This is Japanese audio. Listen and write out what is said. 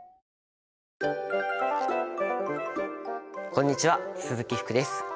こんにちは鈴木福です。